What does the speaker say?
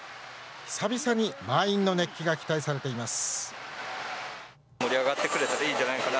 久々に満員の熱気が期待されています。